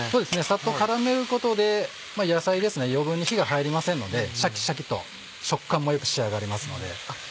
さっと絡めることで野菜余分に火が入りませんのでシャキシャキと食感もよく仕上がりますので。